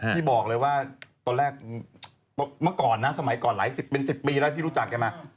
ผมบอกเลยตอนแรกสมัยก่อนเป็น๑๐ปีแล้วที่รู้จักมา